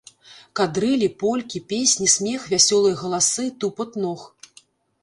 Кадрылі, полькі, песні, смех, вясёлыя галасы, тупат ног.